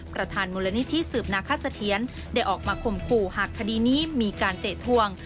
ประธานมูลนิธิสืบนาคสะเทียนได้ออกมาข่มขู่หากคดีนี้มีการเตะทวง